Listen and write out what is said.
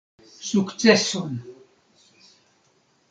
Sukceson!